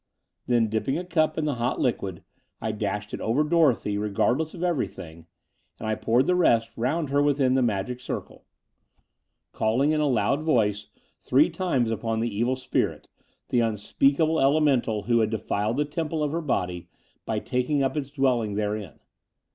Then, dipping a cup in the hot liquid, I dashed it over Dorothy, regardless of everything, and I poured the rest round her within the magic circle, 3IO The Door of the Unreal calling, in a loud voice, three times upon the Evil Spirit — ^the unspeakable elemental who had defiled the temple of her body by taking up its dwelling therein.